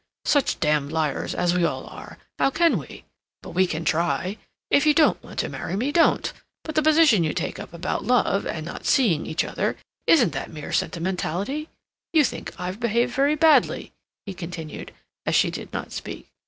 "Such damned liars as we all are, how can we? But we can try. If you don't want to marry me, don't; but the position you take up about love, and not seeing each other—isn't that mere sentimentality? You think I've behaved very badly," he continued, as she did not speak.